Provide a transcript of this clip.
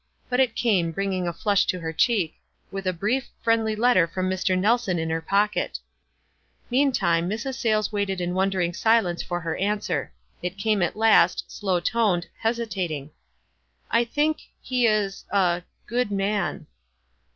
but it came, bringing a flush to her cheek — with a brief, friendly letter from Mr. Nelson in her pocket. Meantime Mrs. Sayles waited in wondering silence for her an swer. It came at last, slow toned, hesitating: f; I think — he is — a — good man."